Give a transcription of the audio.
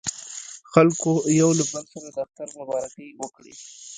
خلکو یو له بل سره د اختر مبارکۍ وکړې.